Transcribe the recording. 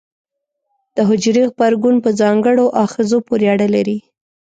د حجرې غبرګون په ځانګړو آخذو پورې اړه لري.